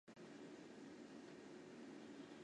不常流泪的眼睛